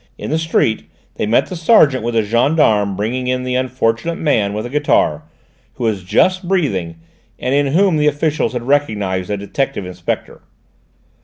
In the street they met the sergeant with a gendarme bringing in the unfortunate man with the guitar, who was just breathing, and in whom the officials had recognised a detective inspector.